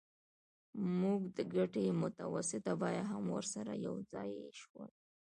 موږ د ګټې متوسطه بیه هم ورسره یوځای کوو